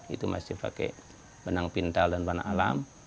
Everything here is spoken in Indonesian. itu masih pakai benang pintal dan warna alam